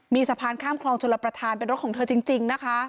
มีสะพานข้ามคลองชลประธานเป็นรถของเธอจริงนะคะ